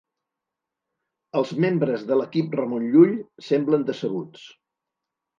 Els membres de l'equip Ramon Llull semblen decebuts.